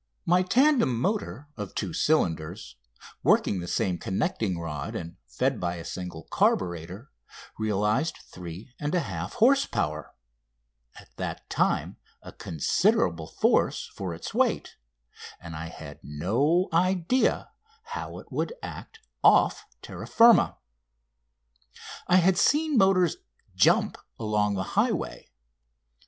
My tandem motor of two cylinders, working the same connecting rod and fed by a single carburator, realised 3 1/2 horse power at that time a considerable force for its weight and I had no idea how it would act off terra firma. I had seen motors "jump" along the highway.